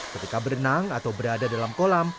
ketika berenang atau berada dalam kolam